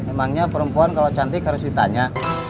emangnya perempuan kalau cantik harus ditanya